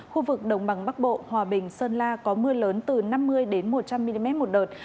khu vực đồng bằng bắc bộ hòa bình sơn la có mưa lớn từ năm mươi một trăm linh mm một đợt